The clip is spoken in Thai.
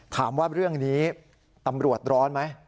ถามว่าเรื่องนี้ตำรวจร้อนไหม